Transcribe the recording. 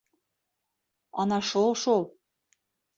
Ана шул-шул.